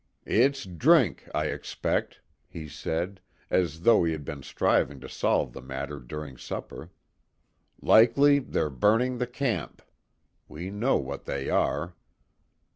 "It's drink, I expect," he said, as though he had been striving to solve the matter during supper. "Likely they're burning the camp. We know what they are."